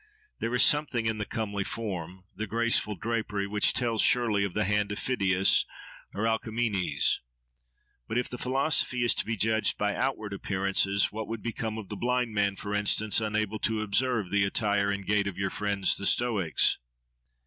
There is something in the comely form, the graceful drapery, which tells surely of the hand of Pheidias or Alcamenes. But if philosophy is to be judged by outward appearances, what would become of the blind man, for instance, unable to observe the attire and gait of your friends the Stoics?